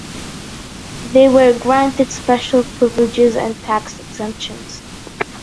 They were granted special privileges and tax exemptions.